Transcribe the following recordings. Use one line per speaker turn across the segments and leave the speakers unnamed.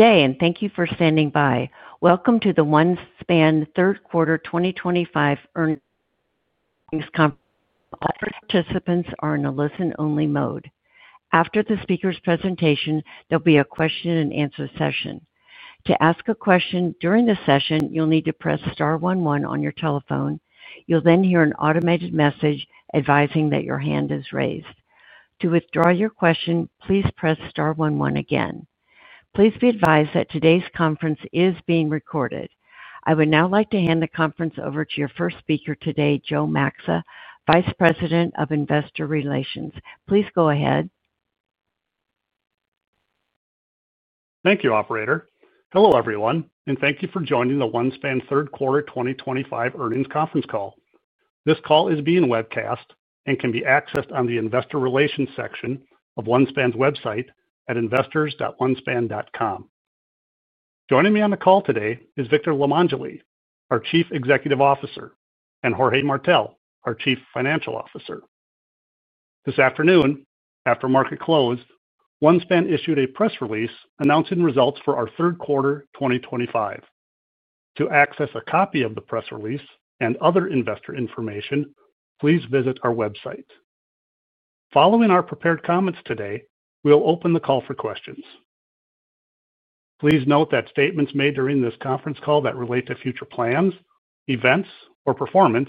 Good day, and thank you for standing by. Welcome to the OneSpan Third Quarter 2025 Earnings Conference. All participants are in a listen-only mode. After the speaker's presentation, there'll be a question-and-answer session. To ask a question during the session, you'll need to press star one one on your telephone. You'll then hear an automated message advising that your hand is raised. To withdraw your question, please press star one one again. Please be advised that today's conference is being recorded. I would now like to hand the conference over to your first speaker today, Joe Maxa, Vice President of Investor Relations. Please go ahead.
Thank you, Operator. Hello, everyone, and thank you for joining the OneSpan Third Quarter 2025 Earnings Conference Call. This call is being webcast and can be accessed on the Investor Relations section of OneSpan's website at investors.onespan.com. Joining me on the call today is Victor Limongelli, our Chief Executive Officer, and Jorge Martell, our Chief Financial Officer. This afternoon, after market close, OneSpan issued a press release announcing results for our Q3 2025. To access a copy of the press release and other investor information, please visit our website. Following our prepared comments today, we'll open the call for questions. Please note that statements made during this conference call that relate to future plans, events, or performance,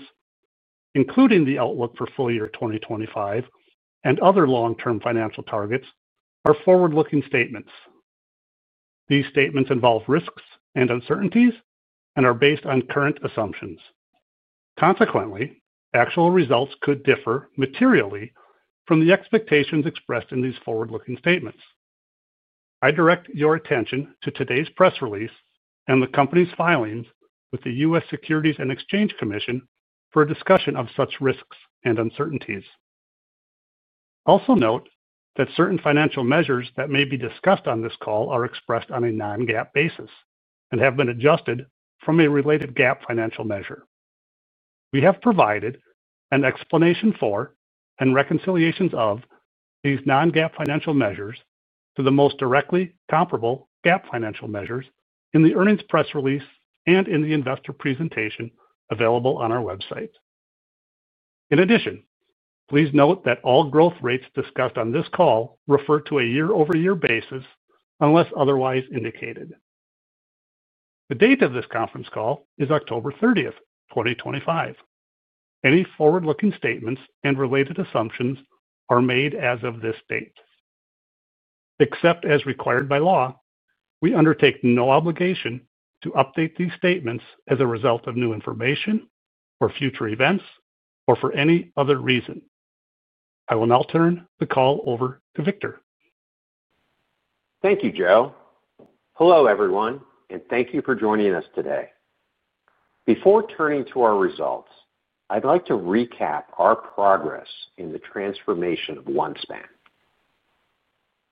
including the outlook for full year 2025 and other long-term financial targets, are forward-looking statements. These statements involve risks and uncertainties and are based on current assumptions. Consequently, actual results could differ materially from the expectations expressed in these forward-looking statements. I direct your attention to today's press release and the company's filings with the U.S. Securities and Exchange Commission for a discussion of such risks and uncertainties. Also note that certain financial measures that may be discussed on this call are expressed on a non-GAAP basis and have been adjusted from a related GAAP financial measure. We have provided an explanation for and reconciliations of these non-GAAP financial measures to the most directly comparable GAAP financial measures in the earnings press release and in the investor presentation available on our website. In addition, please note that all growth rates discussed on this call refer to a year-over-year basis unless otherwise indicated. The date of this conference call is October 30, 2025. Any forward-looking statements and related assumptions are made as of this date. Except as required by law, we undertake no obligation to update these statements as a result of new information, for future events, or for any other reason. I will now turn the call over to Victor.
Thank you, Joe. Hello, everyone, and thank you for joining us today. Before turning to our results, I'd like to recap our progress in the transformation of OneSpan.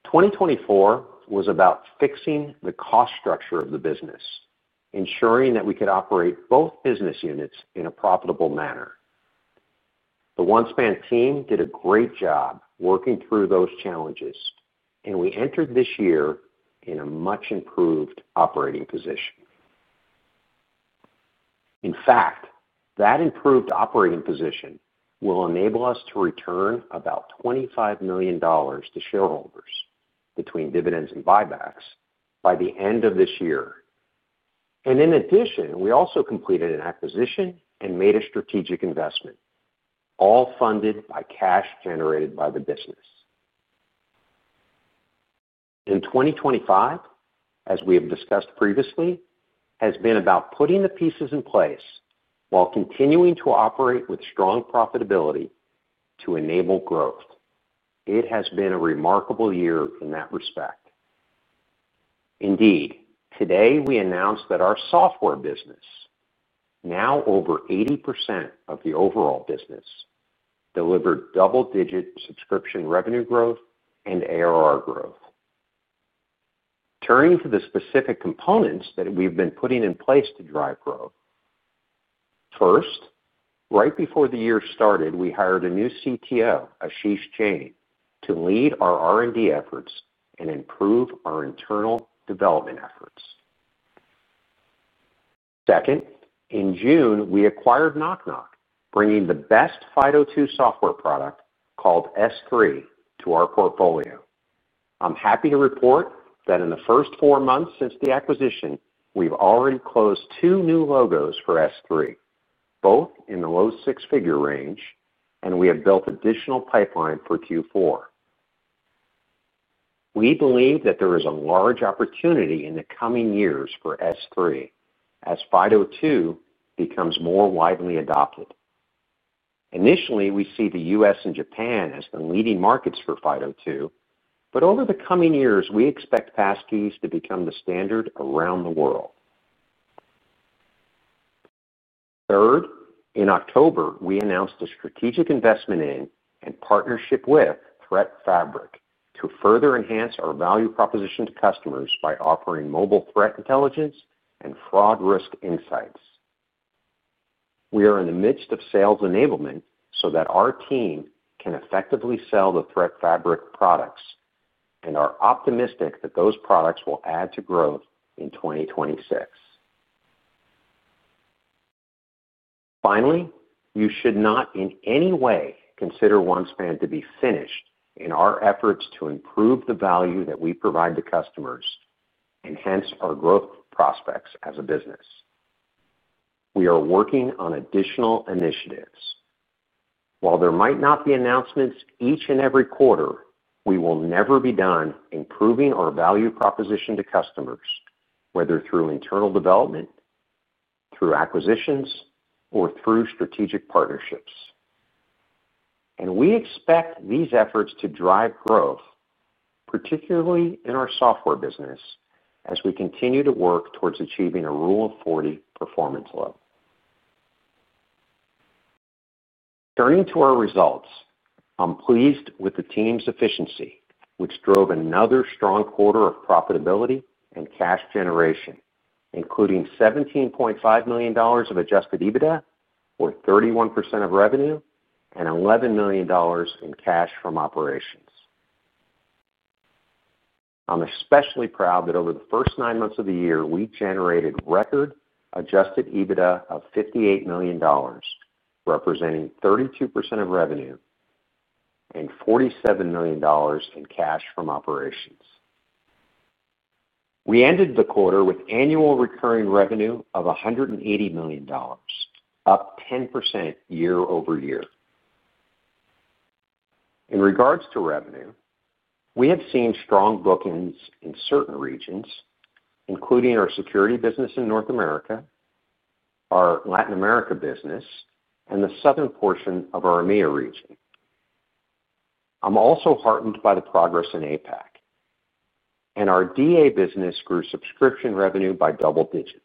2024 was about fixing the cost structure of the business, ensuring that we could operate both business units in a profitable manner. The OneSpan team did a great job working through those challenges, and we entered this year in a much-improved operating position. In fact, that improved operating position will enable us to return about $25 million to shareholders between dividends and buybacks by the end of this year. In addition, we also completed an acquisition and made a strategic investment, all funded by cash generated by the business. 2025, as we have discussed previously, has been about putting the pieces in place while continuing to operate with strong profitability to enable growth. It has been a remarkable year in that respect. Indeed, today we announced that our software business, now over 80% of the overall business, delivered double-digit subscription revenue growth and ARR growth. Turning to the specific components that we've been putting in place to drive growth. First, right before the year started, we hired a new CTO, Ashish Jain, to lead our R&D efforts and improve our internal development efforts. Second, in June, we acquired Nok Nok, bringing the best FIDO2 software product called S3 to our portfolio. I'm happy to report that in the first four months since the acquisition, we've already closed two new logos for S3, both in the low six-figure range, and we have built additional pipeline for Q4. We believe that there is a large opportunity in the coming years for S3 as FIDO2 becomes more widely adopted. Initially, we see the U.S. and Japan as the leading markets for FIDO2, but over the coming years, we expect passkeys to become the standard around the world. Third, in October, we announced a strategic investment in and partnership with ThreatFabric to further enhance our value proposition to customers by offering mobile threat intelligence and fraud risk insights. We are in the midst of sales enablement so that our team can effectively sell the ThreatFabric products and are optimistic that those products will add to growth in 2026. Finally, you should not in any way consider OneSpan to be finished in our efforts to improve the value that we provide to customers and hence our growth prospects as a business. We are working on additional initiatives. While there might not be announcements each and every quarter, we will never be done improving our value proposition to customers, whether through internal development, through acquisitions, or through strategic partnerships. We expect these efforts to drive growth, particularly in our software business, as we continue to work towards achieving a Rule of 40 performance level. Turning to our results, I'm pleased with the team's efficiency, which drove another strong quarter of profitability and cash generation, including $17.5 million of adjusted EBITDA, or 31% of revenue, and $11 million in cash from operations. I'm especially proud that over the first nine months of the year, we generated record adjusted EBITDA of $58 million, representing 32% of revenue, and $47 million in cash from operations. We ended the quarter with annual recurring revenue of $180 million, up 10% year-over-year. In regards to revenue, we have seen strong bookends in certain regions, including our security business in North America, our Latin America business, and the southern portion of our EMEA region. I'm also heartened by the progress in APAC, and our digital agreements business grew subscription revenue by double digits.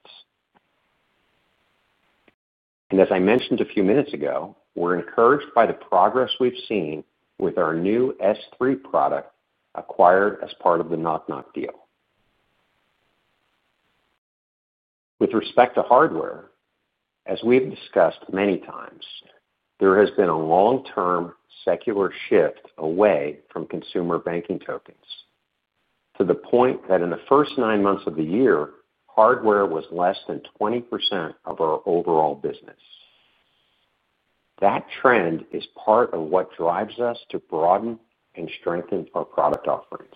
As I mentioned a few minutes ago, we're encouraged by the progress we've seen with our new S3 product acquired as part of the Nok Nok deal. With respect to hardware, as we've discussed many times, there has been a long-term secular shift away from consumer banking tokens to the point that in the first nine months of the year, hardware was less than 20% of our overall business. That trend is part of what drives us to broaden and strengthen our product offerings.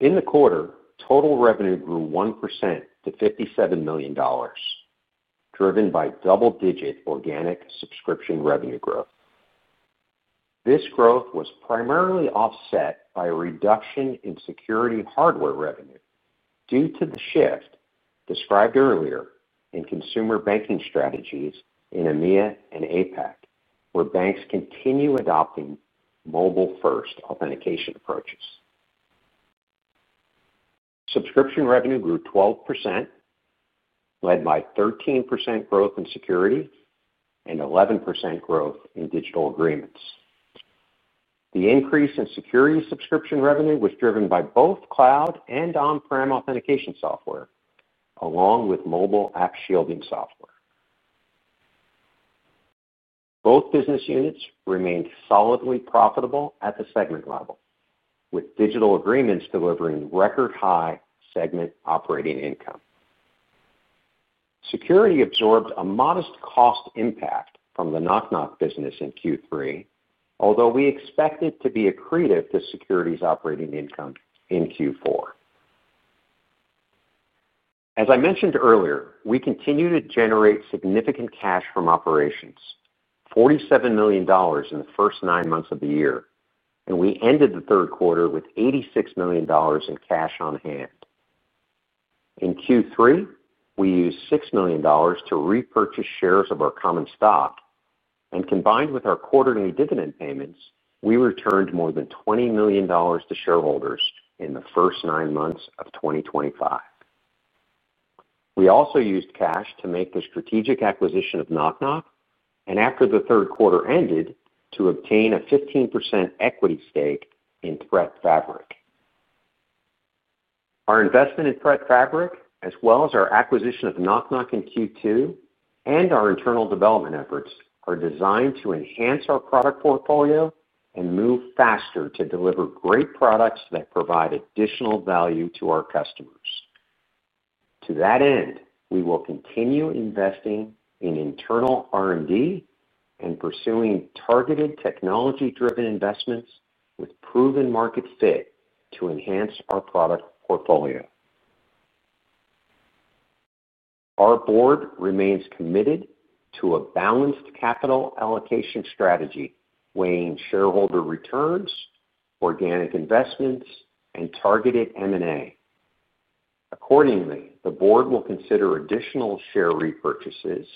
In the quarter, total revenue grew 1% to $57 million, driven by double-digit organic subscription revenue growth. This growth was primarily offset by a reduction in security hardware revenue due to the shift described earlier in consumer banking strategies in EMEA and APAC, where banks continue adopting mobile-first authentication approaches. Subscription revenue grew 12%, led by 13% growth in security and 11% growth in digital agreements. The increase in security subscription revenue was driven by both cloud and on-prem authentication software, along with mobile app shielding software. Both business units remained solidly profitable at the segment level, with digital agreements delivering record-high segment operating income. Security absorbed a modest cost impact from the Nok Nok business in Q3, although we expect it to be accretive to security's operating income in Q4. As I mentioned earlier, we continue to generate significant cash from operations, $47 million in the first nine months of the year, and we ended the third quarter with $86 million in cash on hand. In Q3, we used $6 million to repurchase shares of our common stock, and combined with our quarterly dividend payments, we returned more than $20 million to shareholders in the first nine months of 2025. We also used cash to make the strategic acquisition of Nok Nok, and after the third quarter ended, to obtain a 15% equity stake in ThreatFabric. Our investment in ThreatFabric, as well as our acquisition of Nok Nok in Q2 and our internal development efforts, are designed to enhance our product portfolio and move faster to deliver great products that provide additional value to our customers. To that end, we will continue investing in internal R&D and pursuing targeted technology-driven investments with proven market fit to enhance our product portfolio. Our board remains committed to a balanced capital allocation strategy weighing shareholder returns, organic investments, and targeted M&A. Accordingly, the board will consider additional share repurchases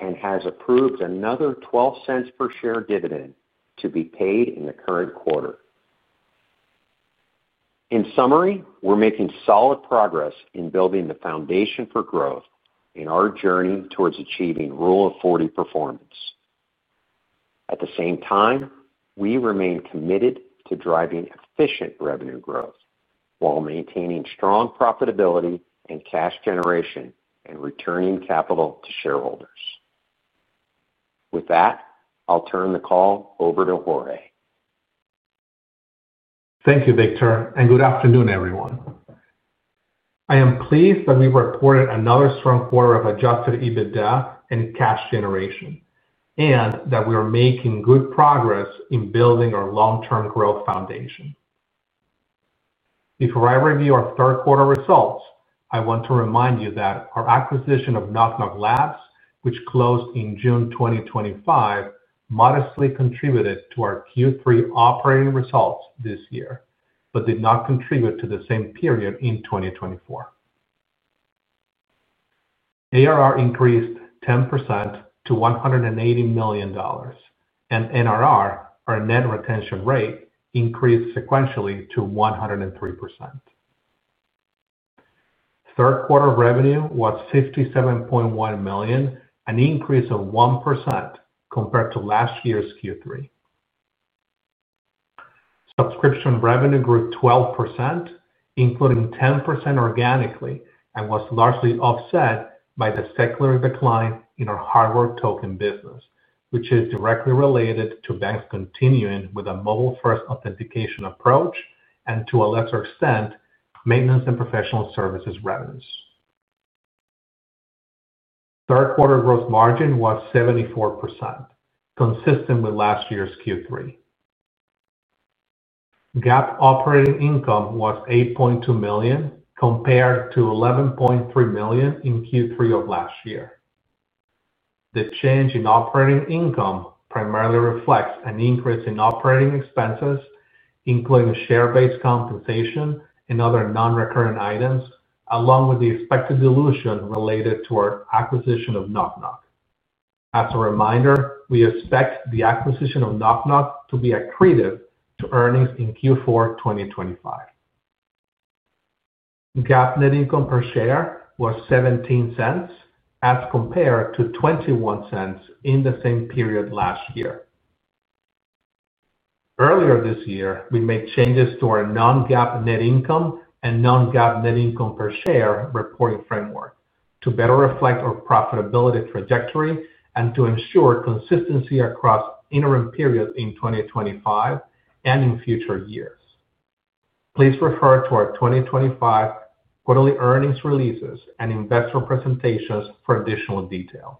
and has approved another $0.12 per share dividend to be paid in the current quarter. In summary, we're making solid progress in building the foundation for growth in our journey towards achieving Rule of 40 performance. At the same time, we remain committed to driving efficient revenue growth while maintaining strong profitability and cash generation and returning capital to shareholders. With that, I'll turn the call over to Jorge.
Thank you, Victor, and good afternoon, everyone. I am pleased that we reported another strong quarter of adjusted EBITDA and cash generation, and that we are making good progress in building our long-term growth foundation. Before I review our third quarter results, I want to remind you that our acquisition of Nok Nok Labs, which closed in June 2025, modestly contributed to our Q3 operating results this year but did not contribute to the same period in 2024. ARR increased 10% to $180 million, and NRR, our net retention rate, increased sequentially to 103%. Third quarter revenue was $57.1 million, an increase of 1% compared to last year's Q3. Subscription revenue grew 12%, including 10% organically, and was largely offset by the secular decline in our hardware token business, which is directly related to banks continuing with a mobile-first authentication approach and, to a lesser extent, maintenance and professional services revenues. Third quarter gross margin was 74%, consistent with last year's Q3. GAAP operating income was $8.2 million compared to $11.3 million in Q3 of last year. The change in operating income primarily reflects an increase in operating expenses, including share-based compensation and other non-recurrent items, along with the expected dilution related to our acquisition of Nok Nok. As a reminder, we expect the acquisition of Nok Nok to be accretive to earnings in Q4 2025. GAAP net income per share was $0.17, as compared to $0.21 in the same period last year. Earlier this year, we made changes to our non-GAAP net income and non-GAAP net income per share reporting framework to better reflect our profitability trajectory and to ensure consistency across interim periods in 2025 and in future years. Please refer to our 2025 quarterly earnings releases and investor presentations for additional details.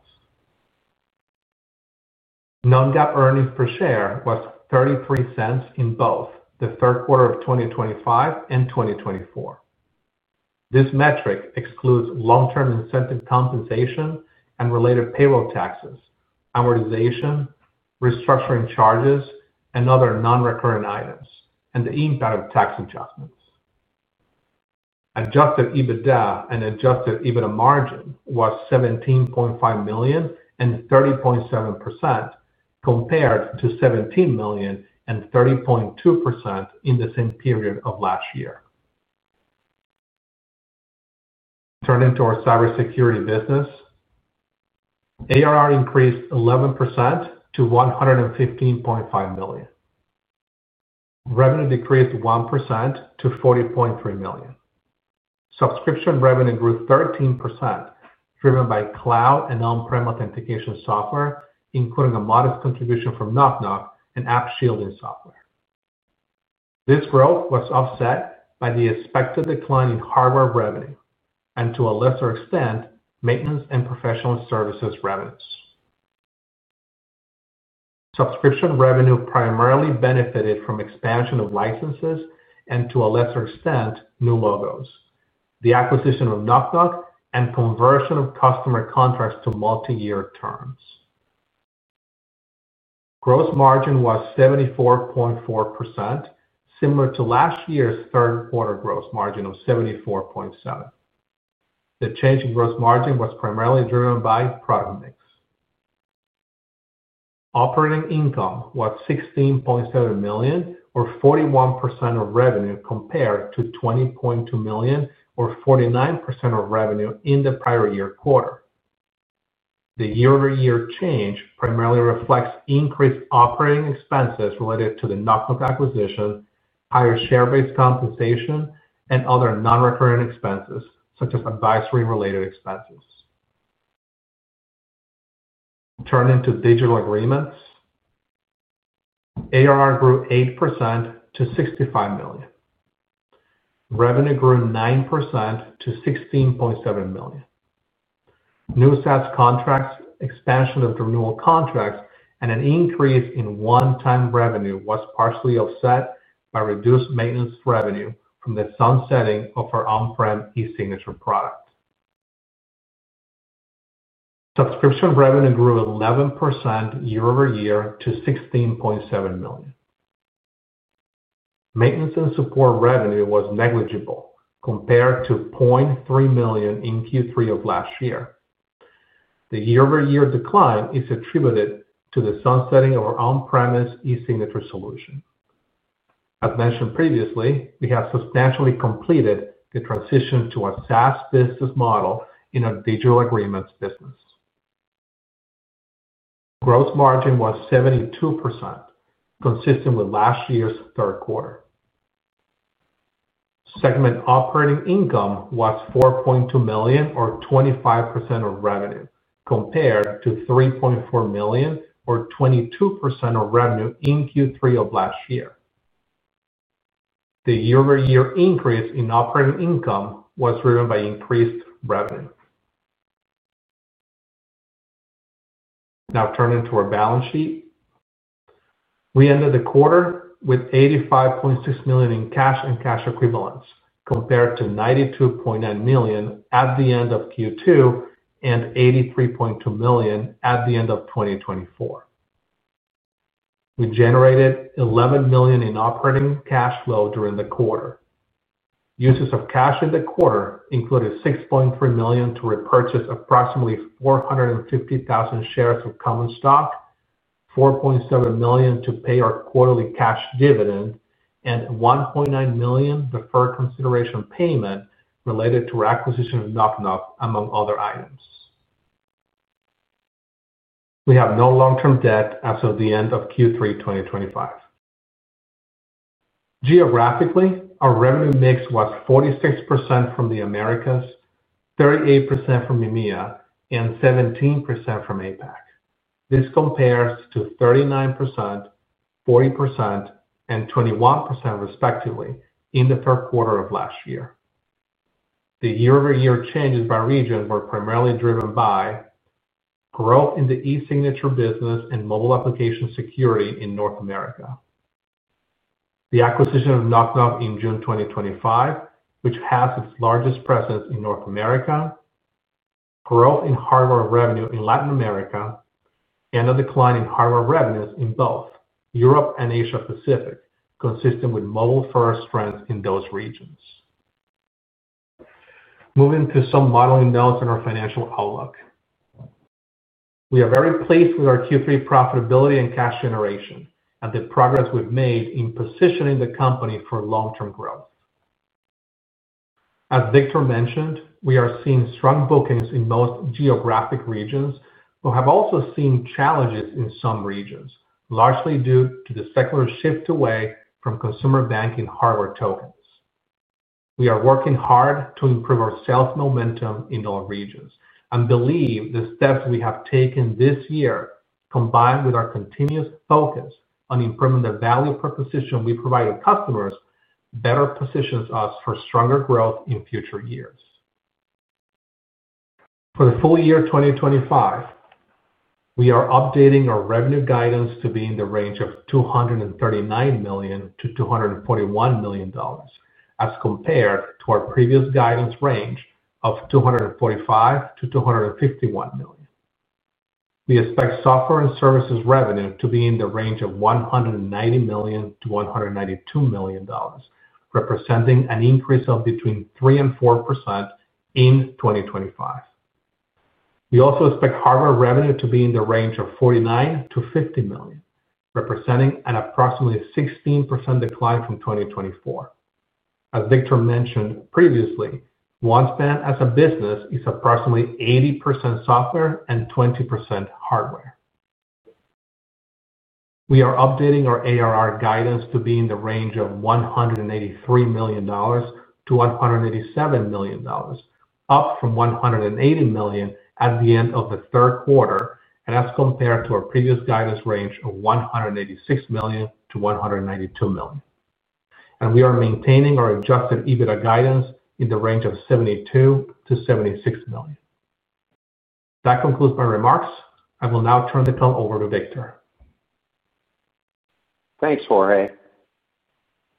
Non-GAAP earnings per share was $0.33 in both the third quarter of 2025 and 2024. This metric excludes long-term incentive compensation and related payroll taxes, amortization, restructuring charges, and other non-recurrent items, and the impact of tax adjustments. Adjusted EBITDA and adjusted EBITDA margin was $17.5 million and 30.7%, compared to $17 million and 30.2% in the same period of last year. Turning to our cybersecurity business, ARR increased 11% to $115.5 million. Revenue decreased 1% to $140.3 million. Subscription revenue grew 13%, driven by cloud and on-prem authentication software, including a modest contribution from Nok Nok and app shielding software. This growth was offset by the expected decline in hardware revenue and, to a lesser extent, maintenance and professional services revenues. Subscription revenue primarily benefited from expansion of licenses and, to a lesser extent, new logos, the acquisition of Nok Nok, and conversion of customer contracts to multi-year terms. Gross margin was 74.4%, similar to last year's third quarter gross margin of 74.7%. The change in gross margin was primarily driven by product mix. Operating income was $16.7 million, or 41% of revenue, compared to $20.2 million, or 49% of revenue, in the prior year quarter. The year-over-year change primarily reflects increased operating expenses related to the Nok Nok acquisition, higher share-based compensation, and other non-recurrent expenses, such as advisory-related expenses. Turning to digital agreements, ARR grew 8% to $65 million. Revenue grew 9% to $16.7 million. New SaaS contracts, expansion of the renewal contracts, and an increase in one-time revenue was partially offset by reduced maintenance revenue from the sunsetting of our on-prem e-signature product. Subscription revenue grew 11% year-over-year to $16.7 million. Maintenance and support revenue was negligible compared to $0.3 million in Q3 of last year. The year-over-year decline is attributed to the sunsetting of our on-premise e-signature solution. As mentioned previously, we have substantially completed the transition to a SaaS business model in our digital agreements business. Gross margin was 72%, consistent with last year's third quarter. Segment operating income was $4.2 million, or 25% of revenue, compared to $3.4 million, or 22% of revenue in Q3 of last year. The year-over-year increase in operating income was driven by increased revenue. Now, turning to our balance sheet. We ended the quarter with $85.6 million in cash and cash equivalents compared to $92.9 million at the end of Q2 and $83.2 million at the end of 2024. We generated $11 million in operating cash flow during the quarter. Uses of cash in the quarter included $6.3 million to repurchase approximately 450,000 shares of common stock, $4.7 million to pay our quarterly cash dividend, and $1.9 million deferred consideration payment related to our acquisition of Nok Nok, among other items. We have no long-term debt as of the end of Q3 2025. Geographically, our revenue mix was 46% from the Americas, 38% from EMEA, and 17% from APAC. This compares to 39%, 40%, and 21%, respectively, in the third quarter of last year. The year-over-year changes by region were primarily driven by growth in the e-signature business and mobile application security in North America, the acquisition of Nok Nok in June 2025, which has its largest presence in North America, growth in hardware revenue in Latin America, and a decline in hardware revenues in both Europe and Asia-Pacific, consistent with mobile-first trends in those regions. Moving to some modeling notes on our financial outlook, we are very pleased with our Q3 profitability and cash generation and the progress we've made in positioning the company for long-term growth. As Victor mentioned, we are seeing strong bookings in most geographic regions, but have also seen challenges in some regions, largely due to the secular shift away from consumer banking hardware tokens. We are working hard to improve our sales momentum in all regions and believe the steps we have taken this year, combined with our continuous focus on improving the value proposition we provide our customers, better positions us for stronger growth in future years. For the full year 2025, we are updating our revenue guidance to be in the range of $239 million-$241 million, as compared to our previous guidance range of $245 million-$251 million. We expect software and services revenue to be in the range of $190 million-$192 million, representing an increase of between 3% and 4% in 2025. We also expect hardware revenue to be in the range of $49 million-$50 million, representing an approximately 16% decline from 2024. As Victor mentioned previously, OneSpan as a business is approximately 80% software and 20% hardware. We are updating our ARR guidance to be in the range of $183 million-$187 million, up from $180 million at the end of the third quarter and as compared to our previous guidance range of $186 million-$192 million. We are maintaining our adjusted EBITDA guidance in the range of $72 million-$76 million. That concludes my remarks. I will now turn the call over to Victor.
Thanks, Jorge.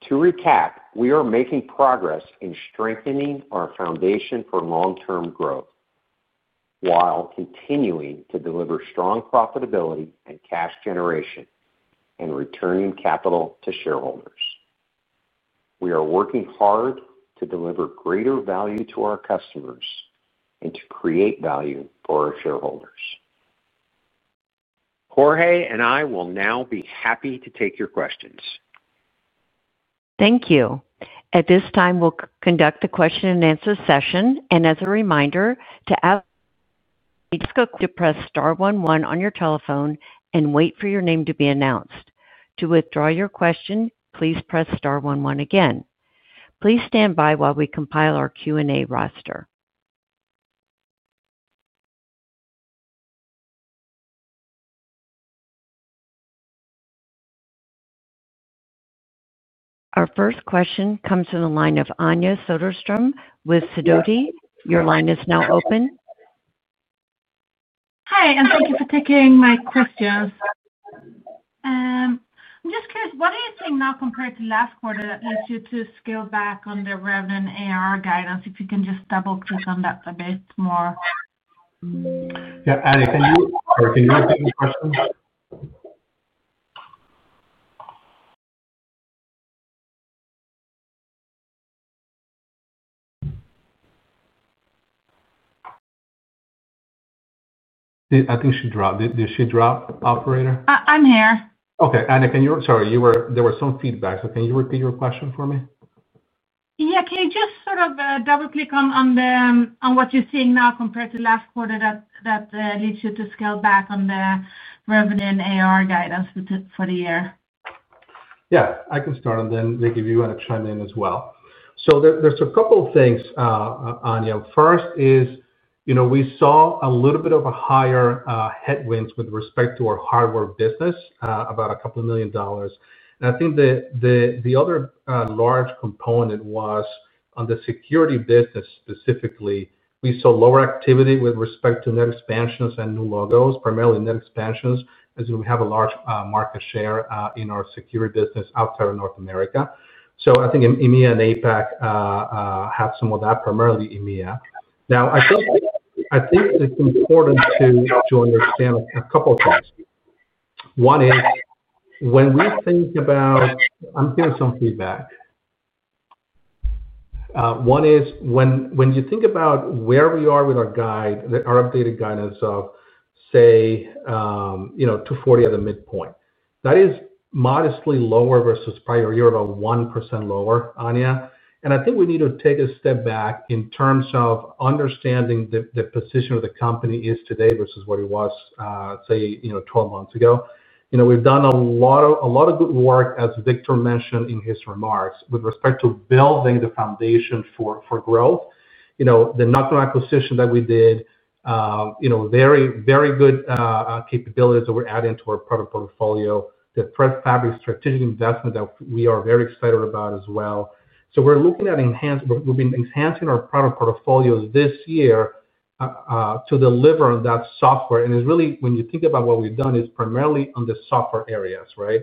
To recap, we are making progress in strengthening our foundation for long-term growth while continuing to deliver strong profitability and cash generation and returning capital to shareholders. We are working hard to deliver greater value to our customers and to create value for our shareholders. Jorge and I will now be happy to take your questions.
Thank you. At this time, we'll conduct the question and answer session. As a reminder, to ask questions, please press star one one on your telephone and wait for your name to be announced. To withdraw your question, please press star one one again. Please stand by while we compile our Q&A roster. Our first question comes from the line of Anja Soderstrom with Sidoti. Your line is now open.
Hi, and thank you for taking my questions. I'm just curious, what do you think now compared to last quarter that led you to scale back on the revenue and ARR guidance? If you can just double-click on that a bit more.
Yeah, Anja, can you repeat the question? I think she dropped. Did she drop, operator?
I'm here.
Okay. Anja, can you—sorry, there was some feedback. Can you repeat your question for me?
Yeah. Can you just sort of double-click on what you're seeing now compared to last quarter that led you to scale back on the revenue and ARR guidance for the year?
Yeah, I can start, and then maybe you want to chime in as well. There's a couple of things, Anja. First is, we saw a little bit of higher headwinds with respect to our hardware business, about a couple of million dollars. I think the other large component was on the security business specifically. We saw lower activity with respect to net expansions and new logos, primarily net expansions, as we have a large market share in our security business outside of North America. I think EMEA and APAC had some of that, primarily EMEA. It's important to understand a couple of things. One is, when we think about—I'm hearing some feedback. One is, when you think about where we are with our updated guidance of, say, to $40 million at the midpoint, that is modestly lower versus prior year, about 1% lower, Anja. I think we need to take a step back in terms of understanding the position the company is today versus what it was, say, 12 months ago. We've done a lot of good work, as Victor mentioned in his remarks, with respect to building the foundation for growth. The Nok Nok acquisition that we did, very good capabilities that we're adding to our product portfolio. The ThreatFabric strategic investment that we are very excited about as well. We're looking at enhancing—we've been enhancing our product portfolios this year to deliver on that software. It's really, when you think about what we've done, it's primarily on the software areas, right?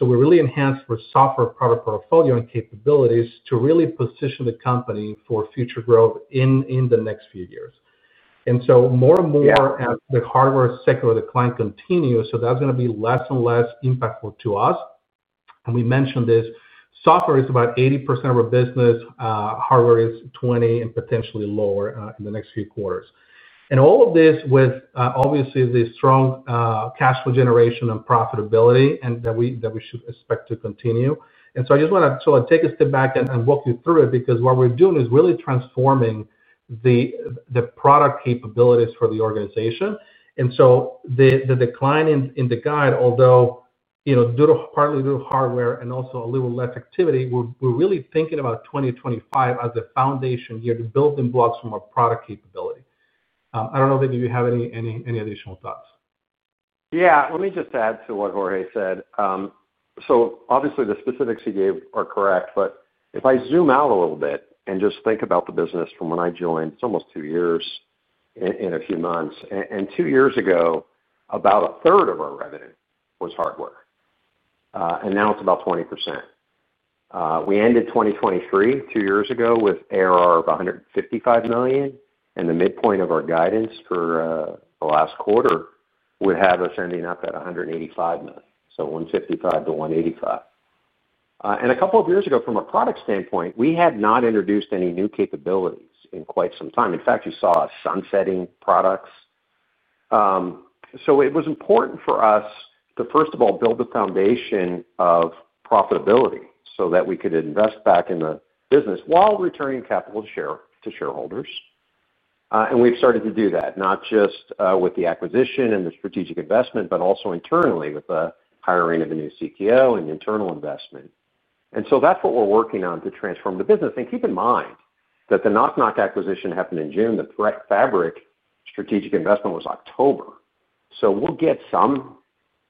We really enhanced our software product portfolio and capabilities to really position the company for future growth in the next few years. More and more as the hardware sector of the client continues, that's going to be less and less impactful to us. We mentioned this, software is about 80% of our business. Hardware is 20% and potentially lower in the next few quarters. All of this with, obviously, the strong cash flow generation and profitability that we should expect to continue. I just want to take a step back and walk you through it because what we're doing is really transforming the product capabilities for the organization. The decline in the guide, although due to hardware and also a little less activity, we're really thinking about 2025 as the foundation year to build the blocks from our product capability. I don't know, maybe you have any additional thoughts.
Yeah. Let me just add to what Jorge said. Obviously, the specifics he gave are correct, but if I zoom out a little bit and just think about the business from when I joined, it's almost two years. In a few months. Two years ago, about a third of our revenue was hardware, and now it's about 20%. We ended 2023 two years ago with ARR of $155 million, and the midpoint of our guidance for the last quarter would have us ending up at $185 million, so $155-$185. A couple of years ago, from a product standpoint, we had not introduced any new capabilities in quite some time. In fact, you saw sunsetting products. It was important for us to, first of all, build the foundation of profitability so that we could invest back in the business while returning capital to shareholders. We've started to do that, not just with the acquisition and the strategic investment, but also internally with the hiring of a new CTO and internal investment. That's what we're working on to transform the business. Keep in mind that the Nok Nok acquisition happened in June. The ThreatFabric strategic investment was October. We'll get some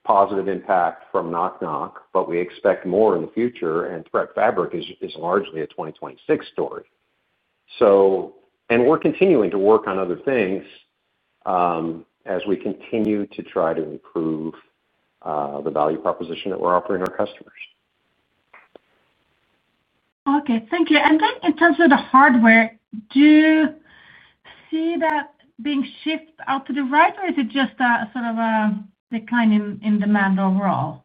positive impact from Nok Nok, but we expect more in the future, and ThreatFabric is largely a 2026 story. We're continuing to work on other things as we continue to try to improve the value proposition that we're offering our customers.
Okay. Thank you. In terms of the hardware, do you see that being shifted out to the right, or is it just sort of a decline in demand overall?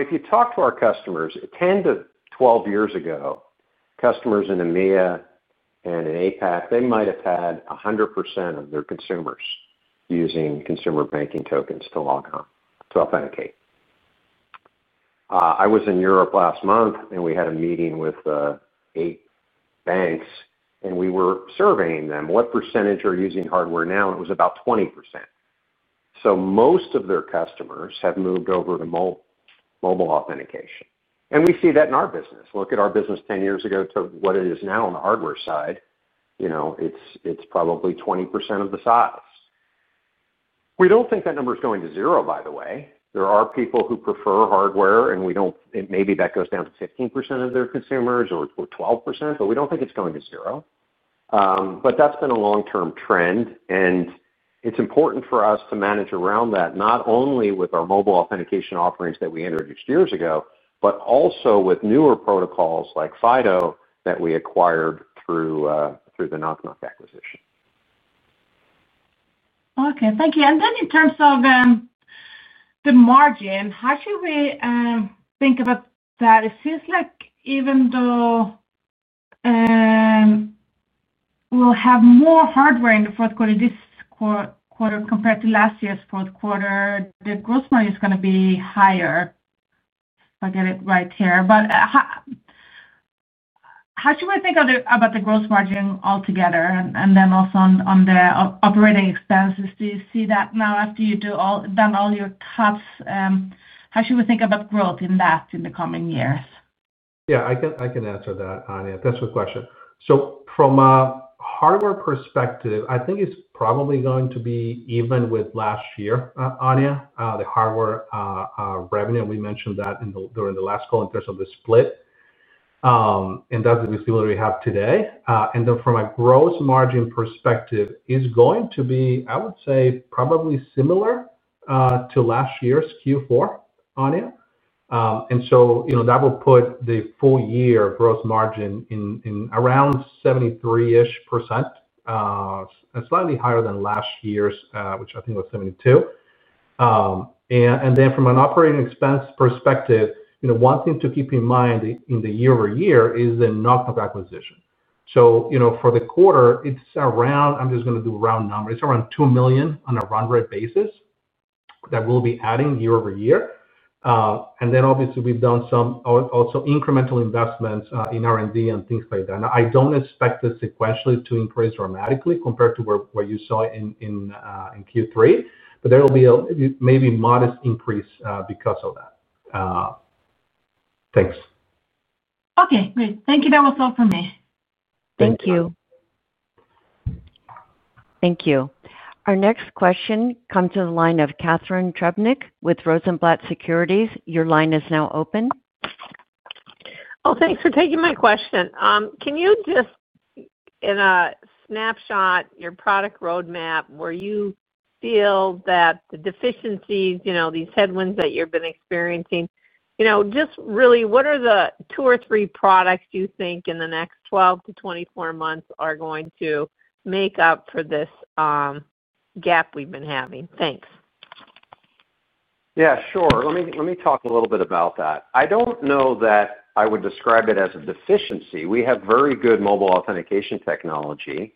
If you talk to our customers, 10-12 years ago, customers in EMEA and in APAC might have had 100% of their consumers using consumer banking tokens to log on, to authenticate. I was in Europe last month, and we had a meeting with eight banks, and we were surveying them. What percentage are using hardware now? It was about 20%. Most of their customers have moved over to mobile authentication, and we see that in our business. Look at our business 10 years ago to what it is now on the hardware side. It's probably 20% of the size. We don't think that number is going to zero, by the way. There are people who prefer hardware, and maybe that goes down to 15% of their consumers or 12%, but we don't think it's going to zero. That's been a long-term trend, and it's important for us to manage around that, not only with our mobile authentication offerings that we introduced years ago, but also with newer protocols like FIDO2 that we acquired through the Nok Nok acquisition.
Okay. Thank you. In terms of the margin, how should we think about that? It seems like even though we'll have more hardware in the fourth quarter, this quarter compared to last year's fourth quarter, the gross margin is going to be higher if I get it right here. How should we think about the gross margin altogether? Also, on the operating expenses, do you see that now after you've done all your cuts? How should we think about growth in that in the coming years?
Yeah. I can answer that, Anja. That's a good question. From a hardware perspective, I think it's probably going to be even with last year, Anja, the hardware revenue. We mentioned that during the last call in terms of the split, and that's what we have today. From a gross margin perspective, it's going to be, I would say, probably similar to last year's Q4, Anja. That will put the full year gross margin in around 73%—slightly higher than last year's, which I think was 72%. From an operating expense perspective, one thing to keep in mind in the year-over-year is the Nok Nok acquisition. For the quarter, it's around—I'm just going to do round numbers—it's around $2 million on a round-rate basis that we'll be adding year-over-year. Obviously, we've done some also incremental investments in R&D and things like that. I don't expect this sequentially to increase dramatically compared to what you saw in Q3, but there will be a maybe modest increase because of that. Thanks.
Okay. Great. Thank you. That was all from me.
Thank you. Thank you. Our next question comes in the line of Catharine Trebnick with Rosenblatt Securities. Your line is now open.
Thanks for taking my question. Can you, just in a snapshot, your product roadmap, where you feel that the deficiencies, these headwinds that you've been experiencing, just really, what are the two or three products you think in the next 12-24 months are going to make up for this gap we've been having? Thanks.
Yeah, sure. Let me talk a little bit about that. I don't know that I would describe it as a deficiency. We have very good mobile authentication technology.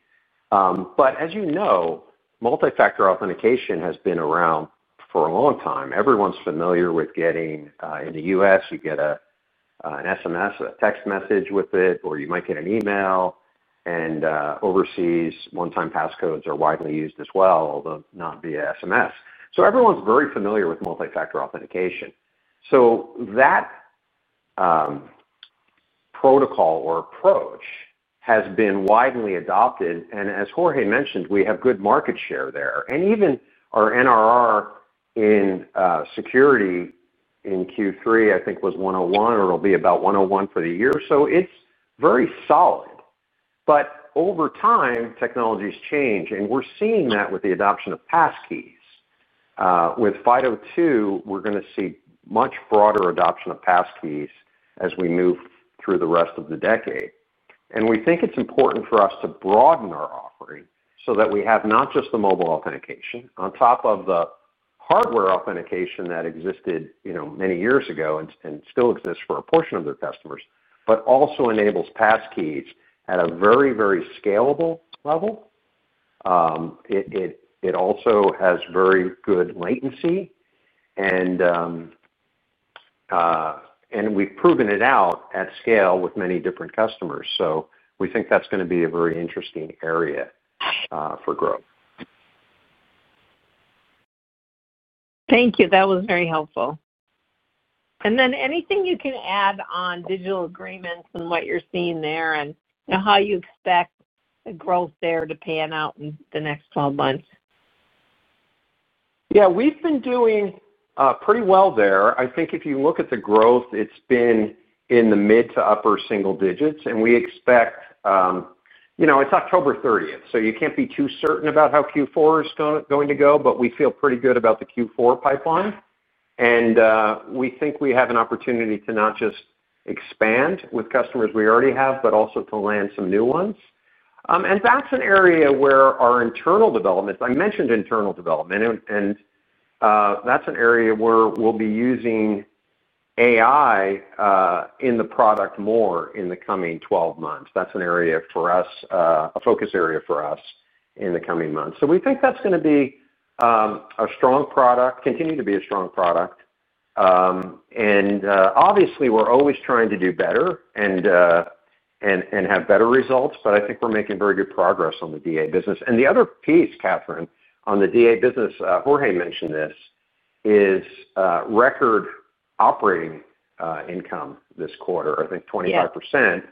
As you know, multi-factor authentication has been around for a long time. Everyone's familiar with getting—in the U.S., you get an SMS or a text message with it, or you might get an email. Overseas, one-time passcodes are widely used as well, although not via SMS. Everyone's very familiar with multi-factor authentication. That protocol or approach has been widely adopted. As Jorge mentioned, we have good market share there. Even our NRR in security in Q3, I think, was 101, or it'll be about 101 for the year. It's very solid. Over time, technologies change. We're seeing that with the adoption of passkeys. With FIDO2, we're going to see much broader adoption of passkeys as we move through the rest of the decade. We think it's important for us to broaden our offering so that we have not just the mobile authentication on top of the hardware-based authentication that existed many years ago and still exists for a portion of our customers, but also enables passkeys at a very, very scalable level. It also has very good latency. We've proven it out at scale with many different customers. We think that's going to be a very interesting area for growth.
Thank you. That was very helpful. Is there anything you can add on digital agreements and what you're seeing there, and how you expect the growth there to pan out in the next 12 months?
Yeah. We've been doing pretty well there. I think if you look at the growth, it's been in the mid to upper single digits. We expect—it's October 30th, so you can't be too certain about how Q4 is going to go, but we feel pretty good about the Q4 pipeline. We think we have an opportunity to not just expand with customers we already have, but also to land some new ones. That's an area where our internal development—I mentioned internal development. That's an area where we'll be using AI in the product more in the coming 12 months. That's a focus area for us in the coming months. We think that's going to be a strong product, continue to be a strong product. Obviously, we're always trying to do better and have better results, but I think we're making very good progress on the digital agreements business. The other piece, Catharine, on the digital agreements business, Jorge mentioned this, is record operating income this quarter, I think 25%.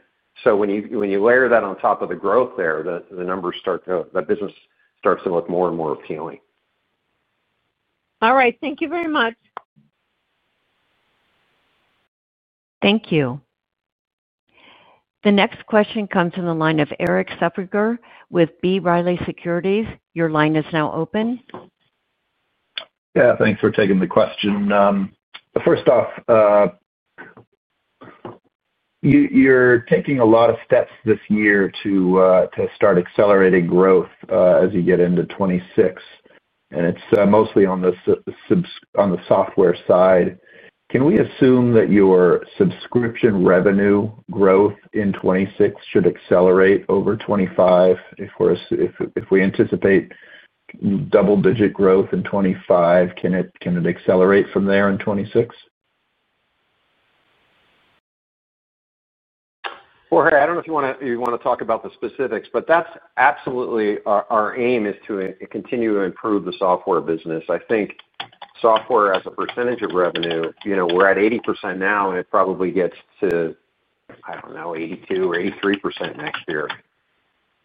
When you layer that on top of the growth there, the numbers start to—the business starts to look more and more appealing.
All right, thank you very much.
Thank you. The next question comes in the line of Erik Suppiger with B. Riley Securities. Your line is now open.
Yeah, thanks for taking the question. First off, you're taking a lot of steps this year to start accelerating growth as you get into 2026, and it's mostly on the software side. Can we assume that your subscription revenue growth in 2026 should accelerate over 2025? If we anticipate double-digit growth in 2025, can it accelerate from there in 2026?
Jorge, I don't know if you want to talk about the specifics, but that's absolutely our aim is to continue to improve the software business. I think software as a percentage of revenue, we're at 80% now, and it probably gets to, I don't know, 82% or 83% next year.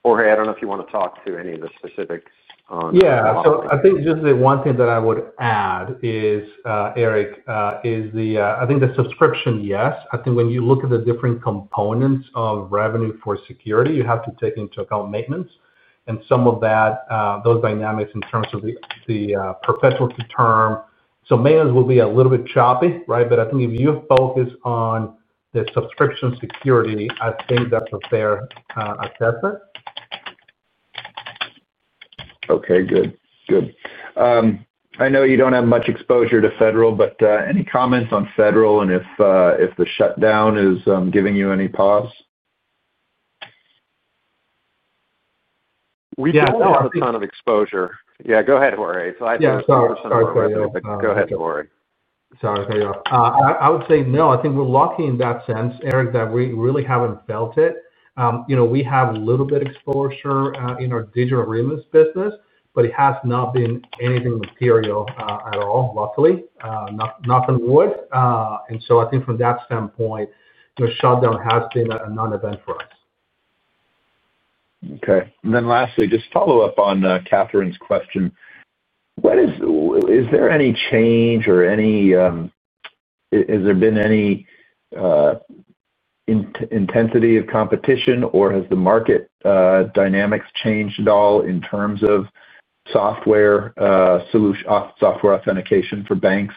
Jorge, I don't know if you want to talk to any of the specifics on.
Yeah. I think just the one thing that I would add is, Erik, I think the subscription, yes. I think when you look at the different components of revenue for security, you have to take into account maintenance and some of those dynamics in terms of the perpetual term. Maintenance will be a little bit choppy, right? I think if you focus on the subscription security, I think that's a fair assessment. Okay. Good. Good. I know you don't have much exposure to federal, but any comments on federal and if the shutdown is giving you any pause?
We don't have a ton of exposure.
Yeah. Go ahead, Jorge. I would say no. I think we're lucky in that sense, Erik, that we really haven't felt it. We have a little bit of exposure in our digital agreements business, but it has not been anything material at all, luckily. Nothing would. I think from that standpoint, the shutdown has been a non-event for us. Okay. Lastly, just to follow up on Catharine's question, is there any change or has there been any intensity of competition, or have the market dynamics changed at all in terms of software authentication for banks?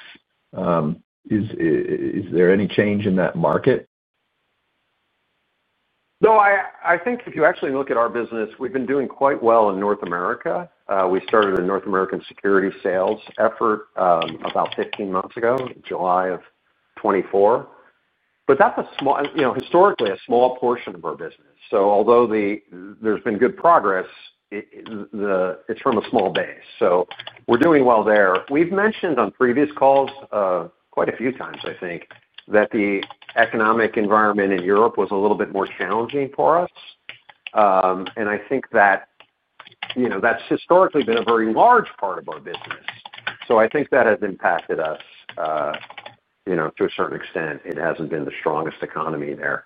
Is there any change in that market?
No, I think if you actually look at our business, we've been doing quite well in North America. We started a North American security sales effort about 15 months ago, July of 2024. That's a small, historically a small portion of our business. Although there's been good progress, it's from a small base. We're doing well there. We've mentioned on previous calls quite a few times, I think, that the economic environment in Europe was a little bit more challenging for us. I think that has historically been a very large part of our business. I think that has impacted us to a certain extent. It hasn't been the strongest economy there.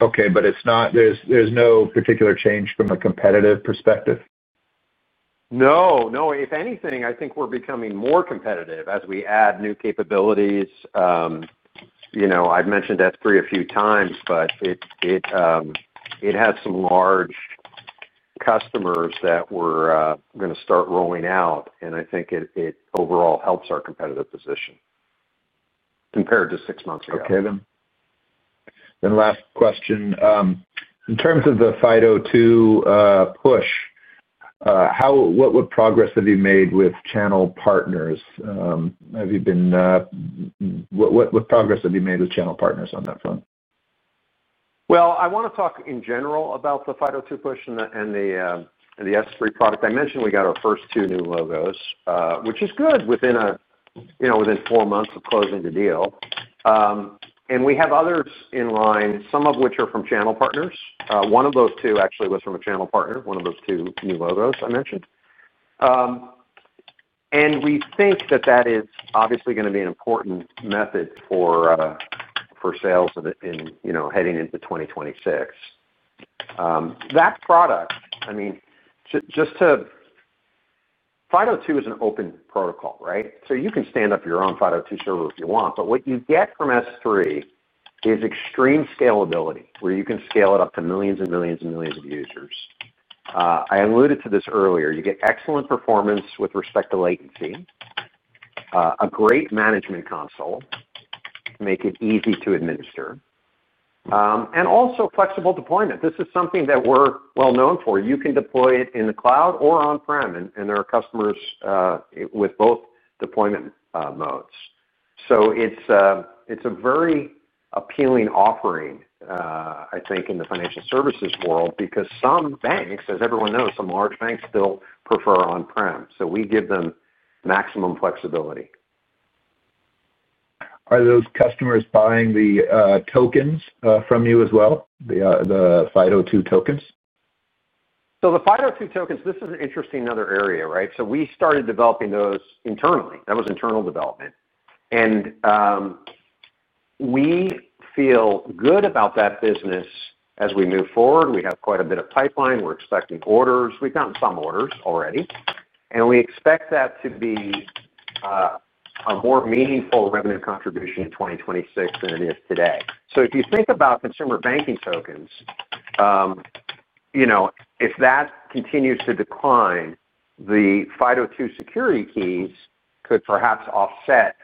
Okay. There is no particular change from a competitive perspective?
No. No. If anything, I think we're becoming more competitive as we add new capabilities. I've mentioned S3 a few times, but it has some large customers that we're going to start rolling out. I think it overall helps our competitive position compared to six months ago.
Okay. In terms of the FIDO2 push, what progress have you made with channel partners? What progress have you made with channel partners on that front?
I want to talk in general about the FIDO2 push and the S3 product. I mentioned we got our first two new logos, which is good within four months of closing the deal. We have others in line, some of which are from channel partners. One of those two actually was from a channel partner, one of those two new logos I mentioned. We think that is obviously going to be an important method for sales heading into 2026. That product, I mean, just to— FIDO2 is an open protocol, right? You can stand up your own FIDO2 server if you want. What you get from S3 is extreme scalability, where you can scale it up to millions and millions and millions of users. I alluded to this earlier. You get excellent performance with respect to latency, a great management console to make it easy to administer, and also flexible deployment. This is something that we're well known for. You can deploy it in the cloud or on-prem. There are customers with both deployment modes. It is a very appealing offering, I think, in the financial services world because some banks, as everyone knows, some large banks still prefer on-prem. We give them maximum flexibility.
Are those customers buying the tokens from you as well, the FIDO2 tokens?
The FIDO2 tokens, this is an interesting other area, right? We started developing those internally. That was internal development. We feel good about that business as we move forward. We have quite a bit of pipeline. We're expecting orders. We've gotten some orders already. We expect that to be a more meaningful revenue contribution in 2026 than it is today. If you think about consumer banking tokens, if that continues to decline, the FIDO2 security keys could perhaps offset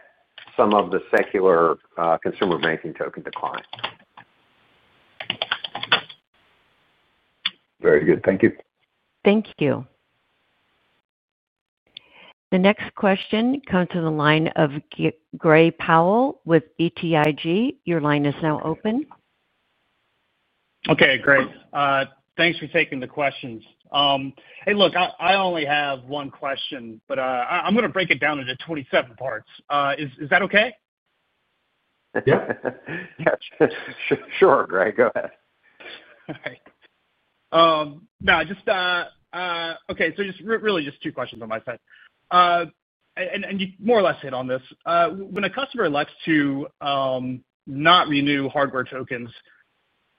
some of the secular consumer banking token decline.
Very good. Thank you.
Thank you. The next question comes in the line of Gray Powell with BTIG. Your line is now open.
Okay. Great. Thanks for taking the questions. Hey, look, I only have one question, but I'm going to break it down into 27 parts. Is that okay?
Yeah, sure, Gray. Go ahead.
All right. Okay. So just really just two questions on my side. You more or less hit on this. When a customer elects to not renew hardware tokens,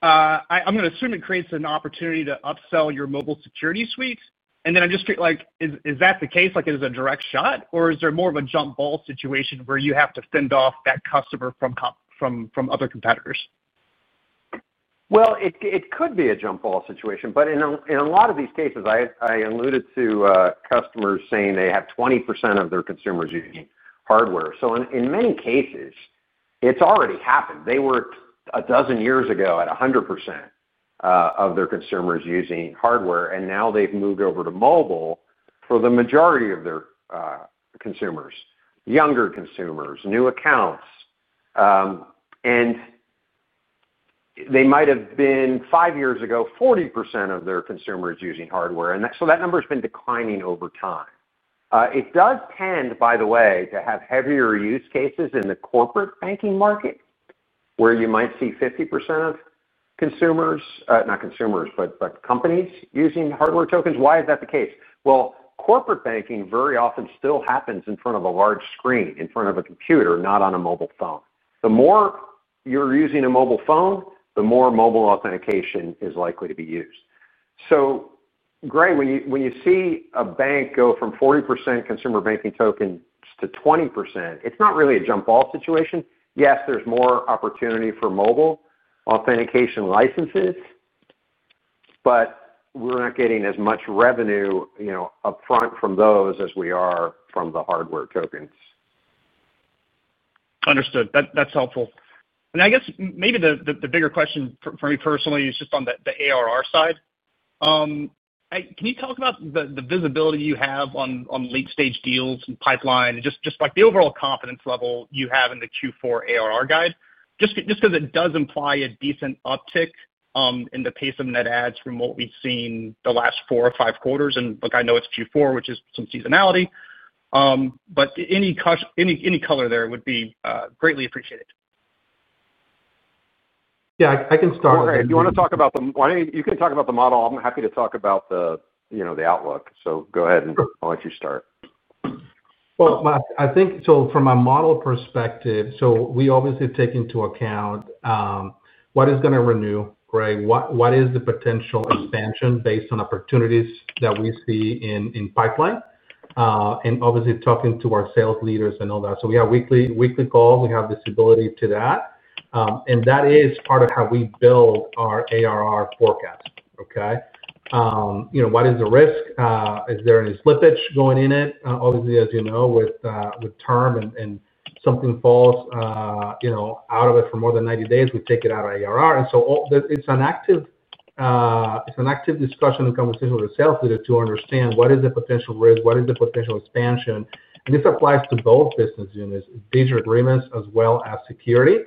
I'm going to assume it creates an opportunity to upsell your mobile security suite. I'm just curious, is that the case? Is it a direct shot, or is there more of a jump ball situation where you have to fend off that customer from other competitors?
It could be a jump ball situation. In a lot of these cases, I alluded to customers saying they have 20% of their consumers using hardware. In many cases, it's already happened. They were a dozen years ago at 100% of their consumers using hardware, and now they've moved over to mobile for the majority of their consumers, younger consumers, new accounts. They might have been five years ago, 40% of their consumers using hardware, and that number has been declining over time. It does tend, by the way, to have heavier use cases in the corporate banking market, where you might see 50% of consumers—not consumers, but companies—using hardware tokens. Why is that the case? Corporate banking very often still happens in front of a large screen, in front of a computer, not on a mobile phone. The more you're using a mobile phone, the more mobile authentication is likely to be used. Gray, when you see a bank go from 40% consumer banking tokens to 20%, it's not really a jump ball situation. Yes, there's more opportunity for mobile authentication licenses, but we're not getting as much revenue upfront from those as we are from the hardware tokens.
Understood. That's helpful. I guess maybe the bigger question for me personally is just on the ARR side. Can you talk about the visibility you have on late-stage deals and pipeline, just the overall confidence level you have in the Q4 ARR guide? It does imply a decent uptick in the pace of net adds from what we've seen the last four or five quarters. I know it's Q4, which is some seasonality. Any color there would be greatly appreciated.
Yeah, I can start.
Jorge, if you want to talk about the model, you can talk about the model. I'm happy to talk about the outlook. Go ahead, and I'll let you start.
I think so from a model perspective, we obviously take into account what is going to renew, Gray, what is the potential expansion based on opportunities that we see in pipeline, and obviously talking to our sales leaders and all that. We have weekly calls. We have visibility to that, and that is part of how we build our ARR forecast, okay? What is the risk? Is there any slippage going in it? Obviously, as you know, with term and something falls out of it for more than 90 days, we take it out of ARR. It is an active discussion and conversation with the sales leader to understand what is the potential risk, what is the potential expansion. This applies to both business units, digital agreements as well as security,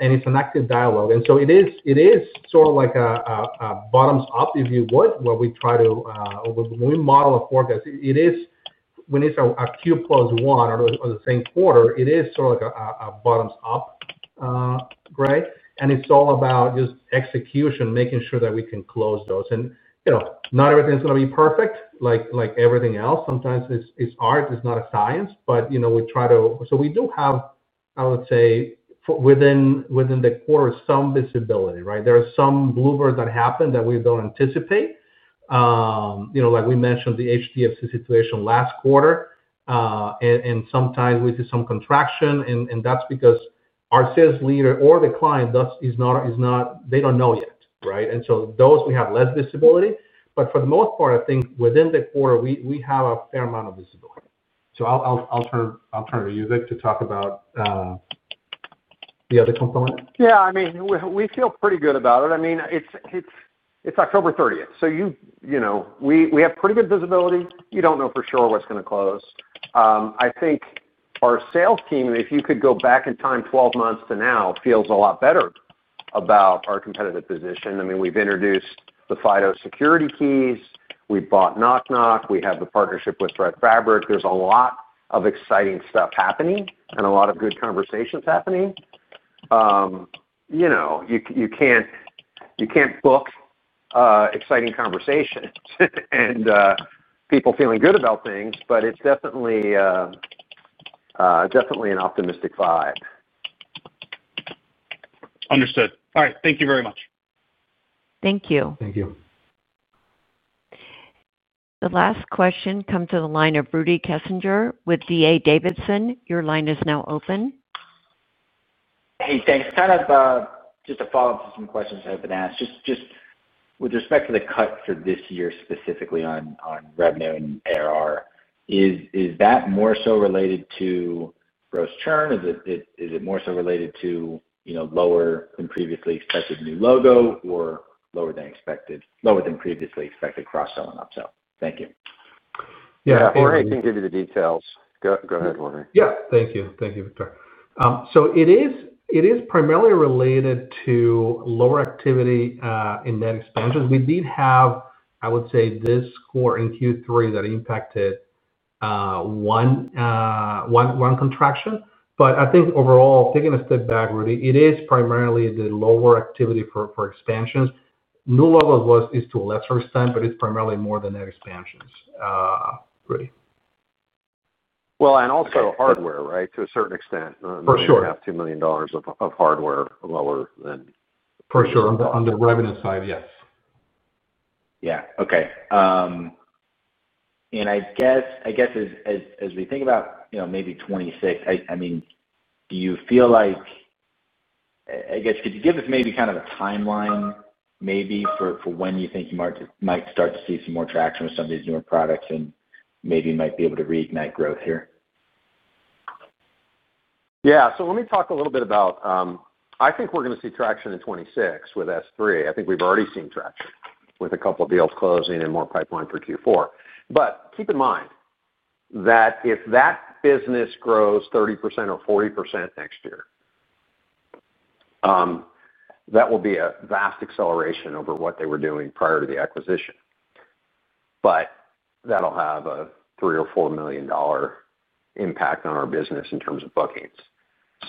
and it's an active dialogue. It is sort of like a bottoms-up, if you would, where we try to—when we model a forecast, it is when it's a Q plus one or the same quarter, it is sort of like a bottoms-up, Gray. It's all about just execution, making sure that we can close those. Not everything's going to be perfect like everything else. Sometimes it's art, it's not a science. We try to—so we do have, I would say, within the quarter, some visibility, right? There are some bloopers that happen that we don't anticipate, like we mentioned, the HDFC situation last quarter. Sometimes we see some contraction, and that's because our sales leader or the client is not—they don't know yet, right? Those, we have less visibility. For the most part, I think within the quarter, we have a fair amount of visibility. I'll turn to you, Vic, to talk about the other component.
Yeah. I mean, we feel pretty good about it. I mean, it's October 30th, so we have pretty good visibility. You don't know for sure what's going to close. I think our sales team, if you could go back in time 12 months to now, feels a lot better about our competitive position. I mean, we've introduced the FIDO2 security keys. We bought Nok Nok. We have the partnership with ThreatFabric. There's a lot of exciting stuff happening and a lot of good conversations happening. You can't book exciting conversations and people feeling good about things, but it's definitely an optimistic vibe.
Understood. All right, thank you very much.
Thank you.
Thank you.
The last question comes to the line of Rudy Kessinger with D.A. Davidson. Your line is now open.
Hey, thanks. Kind of just a follow-up to some questions I've been asked. Just with respect to the cut for this year specifically on revenue and ARR, is that more so related to gross churn? Is it more so related to lower than previously expected new logo or lower than previously expected cross-sell and upsell? Thank you.
Yeah, Jorge, I can give you the details. Go ahead, Jorge. Thank you, Victor. It is primarily related to lower activity in net expansions. We did have, I would say, this quarter in Q3 that impacted one contraction. I think overall, taking a step back, it is primarily the lower activity for expansions. New logos is to a lesser extent, but it's primarily more the net expansions. Also hardware, right, to a certain extent.
For sure.
You have $2 million of hardware lower than.
For sure, on the revenue side, yes.
Okay. As we think about maybe 2026, do you feel like—could you give us maybe kind of a timeline for when you think you might start to see some more traction with some of these newer products and maybe might be able to reignite growth here? Yeah. Let me talk a little bit about—I think we're going to see traction in 2026 with S3. I think we've already seen traction with a couple of deals closing and more pipeline for Q4. Keep in mind that if that business grows 30% or 40% next year, that will be a vast acceleration over what they were doing prior to the acquisition. That'll have a $3 million or $4 million impact on our business in terms of bookings.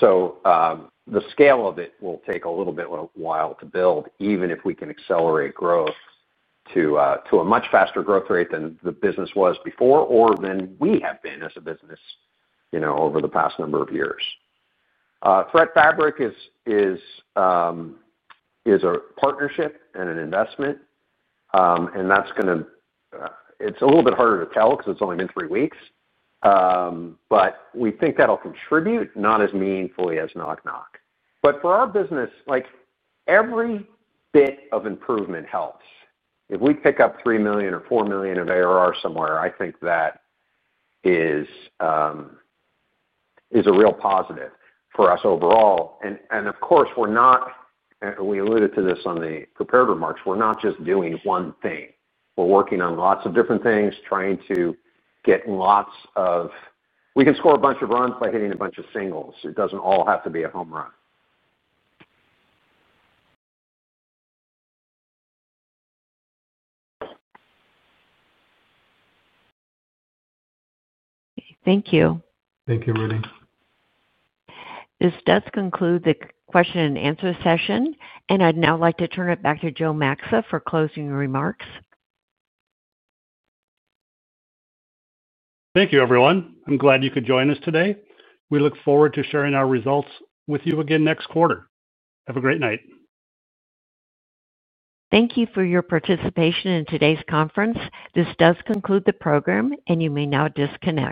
The scale of it will take a little bit of a while to build, even if we can accelerate growth to a much faster growth rate than the business was before or than we have been as a business over the past number of years. ThreatFabric is a partnership and an investment, and that's going to—it's a little bit harder to tell because it's only been three weeks. We think that'll contribute, not as meaningfully as Nok Nok, but for our business, every bit of improvement helps. If we pick up $3 million or $4 million of ARR somewhere, I think that is a real positive for us overall. Of course, we're not—we alluded to this on the prepared remarks—we're not just doing one thing. We're working on lots of different things, trying to get lots of—we can score a bunch of runs by hitting a bunch of singles. It doesn't all have to be a home run.
Thank you.
Thank you, Rudy.
This does conclude the question and answer session. I'd now like to turn it back to Joe Maxa for closing remarks.
Thank you, everyone. I'm glad you could join us today. We look forward to sharing our results with you again next quarter. Have a great night.
Thank you for your participation in today's conference. This does conclude the program, and you may now disconnect.